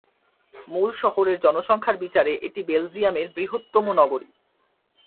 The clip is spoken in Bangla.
মূল শহরের জনসংখ্যার বিচারে এটি বেলজিয়ামের বৃহত্তম নগরী।